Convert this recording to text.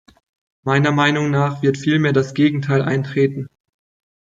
Meiner Meinung nach wird vielmehr das Gegenteil eintreten.